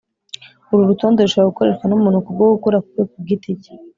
Uru rutonde rushobora gukoreshwa n'umuntu kubwo gukura kwe ku giti cye,